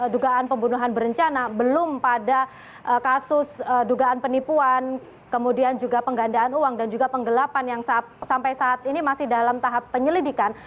dugaan pembunuhan berencana belum pada kasus dugaan penipuan kemudian juga penggandaan uang dan juga penggelapan yang sampai saat ini masih dalam tahap penyelidikan